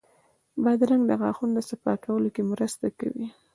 بادرنګ د غاښونو صفا کولو کې مرسته کوي.